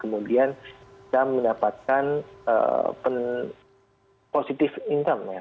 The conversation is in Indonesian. kemudian kita mendapatkan positive income ya